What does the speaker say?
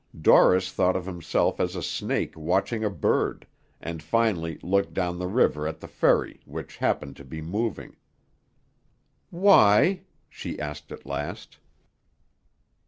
Dorris thought of himself as a snake watching a bird, and finally looked down the river at the ferry, which happened to be moving. "Why?" she asked at last.